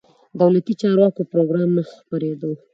دولتي چارواکو پروګرام نه خبرېږو.